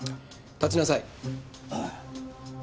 立ちなさい。